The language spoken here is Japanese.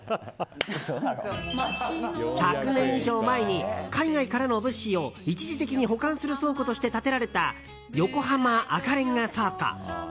１００年以上前に海外からの物資を一時的に保管する倉庫として建てられた横浜赤レンガ倉庫。